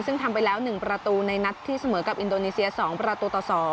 ซึ่งทำไปแล้ว๑ประตูในนัดที่เสมอกับอินโดนีเซีย๒ประตูต่อ๒